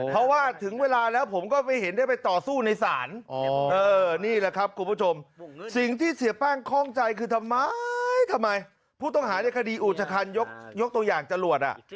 เพราะว่าถึงเวลาแล้วผมก็ไม่เห็นได้ไปต่อสู้ในศาลนี่แหละครับคุณผู้ชมสิ่งที่เสียแป้งคล่องใจคือทำไมทำไมผู้ต้องหาในคดีอุจคันยกตัวอย่างจรวด